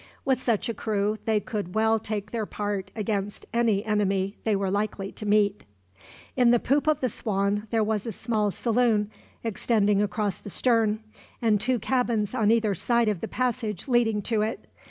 With such a crew, they could well take their part against any enemy they were likely to meet. In the poop of the Swan there was a small saloon, extending across the stern, and two cabins on either side of the passage leading to it.